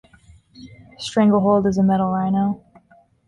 Stranglehold is a metal rhino.